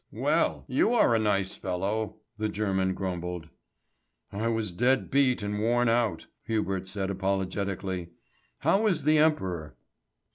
"Well, you are a nice fellow," the German grumbled. "I was dead beat and worn out," Hubert said apologetically. "How is the Emperor?"